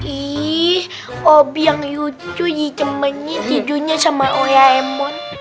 iih obi yang lucu dicemennya tidurnya sama oya emon